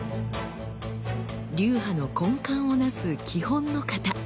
流派の根幹をなす基本の形。